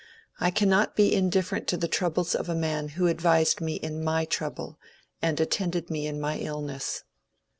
I cannot be indifferent to the troubles of a man who advised me in my trouble, and attended me in my illness."